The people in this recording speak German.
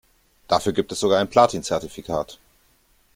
Dafür gibt es sogar ein Platin-Zertifikat.